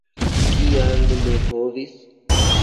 Kial ne povis?